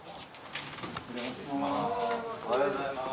おはようございます。